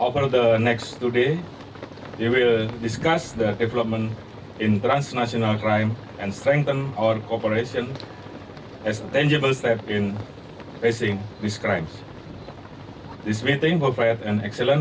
kepada tamunya kapolri jenderal polisi listio sigit prabowo mengatakan selain wadah saling mengenal antar negara